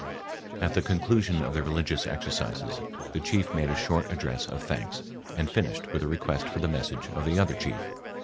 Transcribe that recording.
At the conclusion of the religious exercises the chief made a short address of thanks, and finished with a request for the message of the other chief.